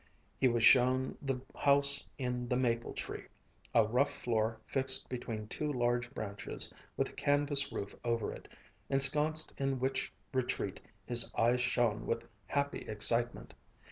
He was shown the house in the maple tree, a rough floor fixed between two large branches, with a canvas roof over it, ensconced in which retreat his eyes shone with happy excitement.